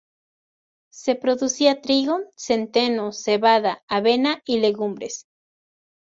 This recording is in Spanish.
Se producía trigo, centeno, cebada, avena y legumbres.